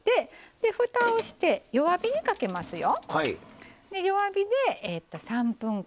でふたをして弱火にかけますよ。